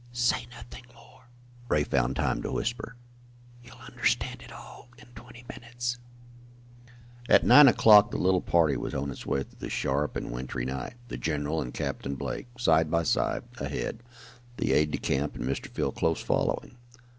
"Say nothing more," Ray found time to whisper. "You'll understand it all in twenty minutes." And at nine o'clock the little party was on its way through the sharp and wintry night, the general and Captain Blake, side by side, ahead, the aide de camp and Mr. Field close following.